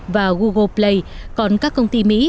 và google play còn các công ty mỹ